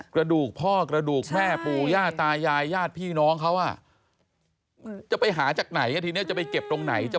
กระดูกพ่อกระดูกแม่ปู่ย่าตายายญาติพี่น้องเขาอ่ะมันจะไปหาจากไหนทีนี้จะไปเก็บตรงไหน